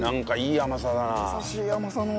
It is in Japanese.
優しい甘さの。